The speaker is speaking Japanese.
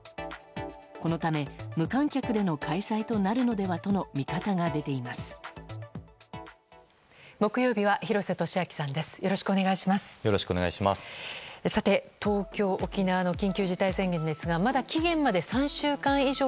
このため、無観客での開催となるのではとの見方が木曜日は廣瀬俊朗さんです。